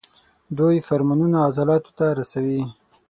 دوی فرمانونه عضلاتو ته رسوي.